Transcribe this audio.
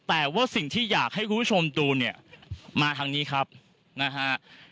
แต่ว่าสิ่งที่อยากให้คุณผู้ชมดูเนี่ยมาทางนี้ครับนะฮะ